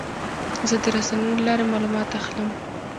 زه د رسنیو له لارې معلومات اخلم.